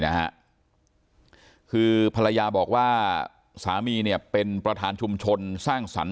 นะฮะคือภรรยาบอกว่าสามีเนี่ยเป็นประธานชุมชนสร้างสรรค